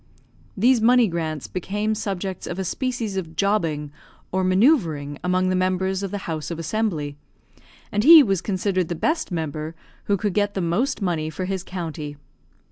These money grants became subjects of a species of jobbing, or manoeuvering, among the members of the House of Assembly; and he was considered the best member who could get the most money for his county.